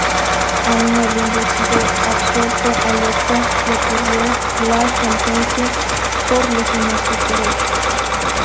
Aún habiendo sido absuelto, Alerta recurrió la sentencia por "lesionar sus derechos".